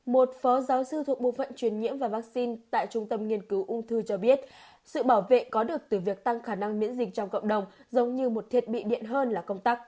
một phó giáo sư thuộc bộ phận truyền nhiễm và vaccine tại trung tâm nghiên cứu ung thư cho biết sự bảo vệ có được từ việc tăng khả năng miễn dịch trong cộng đồng giống như một thiết bị điện hơn là công tắc